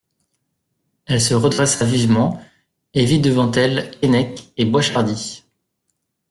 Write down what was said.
Elle se redressa vivement, et vit devant elle Keinec et Boishardy.